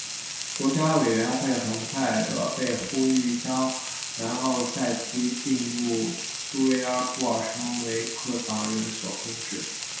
国家委员会很快的被呼吁将南奥塞梯并入苏维埃的布尔什维克党人所控制。